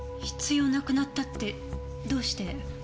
必要なくなったってどうして？